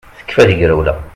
Tekfa tegrawla